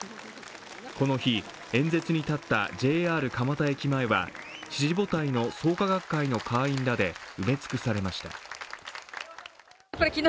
この日、演説に立ったＪＲ蒲田駅前は支持母体の創価学会の会員らで埋め尽くされました。